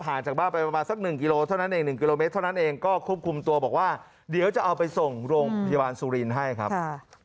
จากบ้านไปประมาณสักหนึ่งกิโลเท่านั้นเอง๑กิโลเมตรเท่านั้นเองก็ควบคุมตัวบอกว่าเดี๋ยวจะเอาไปส่งโรงพยาบาลสุรินทร์ให้ครับ